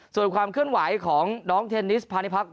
ส่วนความเคลื่อนไหวของน้องเทนนิสพาณิพักษ